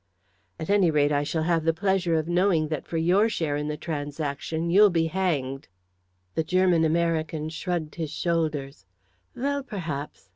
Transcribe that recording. "At any rate I shall have the pleasure of knowing that, for your share in the transaction, you'll be hanged." The German American shrugged his shoulders. "Well, perhaps.